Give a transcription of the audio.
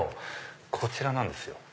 こちらなんですよ。